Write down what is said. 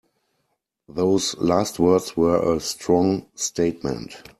Those last words were a strong statement.